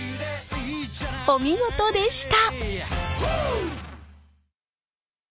お見事でした！